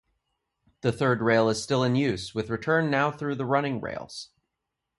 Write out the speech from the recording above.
The third rail is still in use, with return now through the running rails.